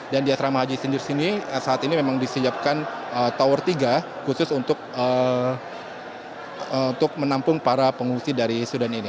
dan di asrama haji sendiri saat ini memang disiapkan tower tiga khusus untuk menampung para pengungsi dari sudan ini